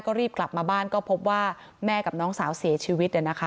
ก็รีบกลับมาบ้านก็พบว่าแม่กับน้องสาวเสียชีวิต